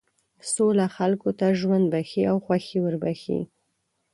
سوله خلکو ته ژوند بښي او خوښي وربښي.